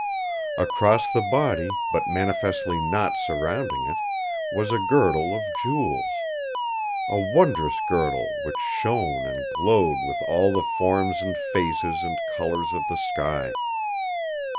Across the body, but manifestly not surrounding it, was a girdle of jewels. A wondrous girdle, which shone and glowed with all the forms and phases and colours of the sky!